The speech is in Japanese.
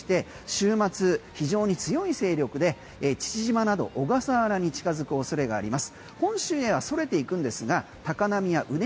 週末、非常に強い勢力で父島など小笠原に近づくおそれがあります。